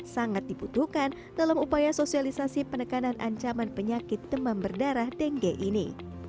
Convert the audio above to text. sangat dibutuhkan dalam upaya sosialisasi penekanan ancaman penyakit demam berdarah dengue ini